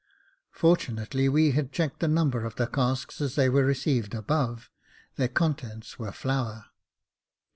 Fortunately, we had checked the number of the casks as they were received above — their contents were flour.